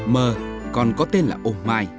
mơ còn có tên là ômai